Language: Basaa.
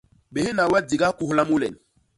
Béhna we di gakuhla mu len.